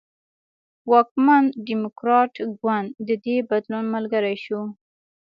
واکمن ډیموکراټ ګوند د دې بدلون ملګری شو.